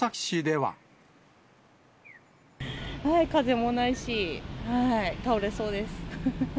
風もないし、倒れそうです。